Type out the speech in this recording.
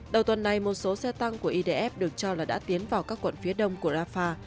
đầu tuần này một số xe tăng của idf được cho là đã tiến vào các quận phía đông của rafah